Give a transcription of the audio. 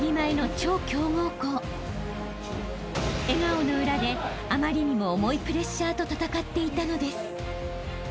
［笑顔の裏であまりにも重いプレッシャーと闘っていたのです］